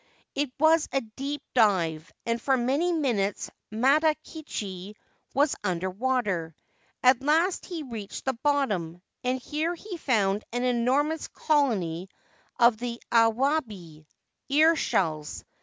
It was a deep dive, and for many minutes Matakichi was under water. At last he reached the bottom, and here he found an enormous colony of the awabi (ear shells).